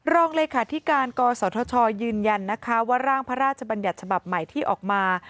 รองเลขาธิการกศธชยืนยันนะคะว่าร่างพระราชบัญญัติฉบับใหม่ที่ออกมา